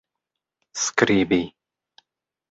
skribi